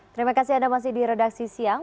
terima kasih anda masih di redaksi siang